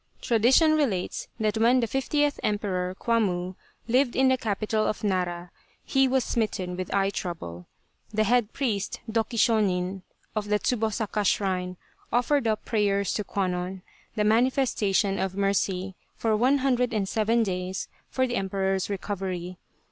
Tradition relates that when the fiftieth Emperor Kwammu lived in the capital of Nara, he was smitten with eye trouble. The head priest, Doki Shonin, of the Tsubosaka shrine offered up prayers to Kwannon, the Manifestation of Mercy, for one hundred and seven days for the Emperor's re covery.